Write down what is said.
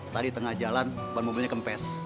tadi tengah jalan ban mobilnya kempes